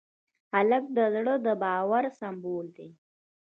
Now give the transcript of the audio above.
هلک د زړه د باور سمبول دی.